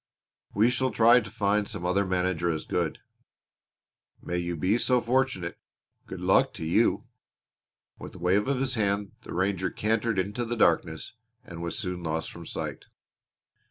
"We shall try to find some other manager as good." "May you be so fortunate. Good luck to you!" With a wave of his hand the ranger cantered into the darkness and was soon lost from sight.